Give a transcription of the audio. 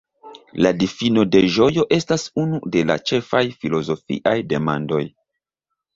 La difino de ĝojo estas unu de la ĉefaj filozofiaj demandoj.